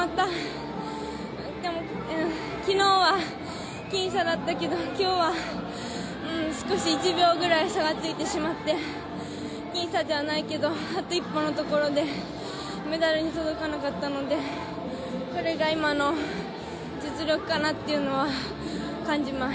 昨日は僅差だったけど今日は少し、１秒ぐらい差がついてしまって僅差ではないけど、あと一歩のところでメダルに届かなかったのでこれが今の実力かなというのは感じます。